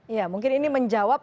ya mungkin ini menjawab